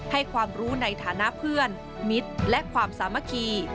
ให้ความรู้ในฐานะเพื่อนมิตรและความสามัคคี